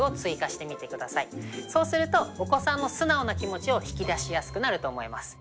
そうするとお子さんの素直な気持ちを引き出しやすくなると思います。